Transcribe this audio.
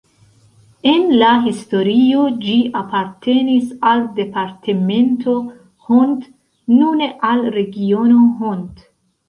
En la historio ĝi apartenis al departemento Hont, nune al regiono Hont.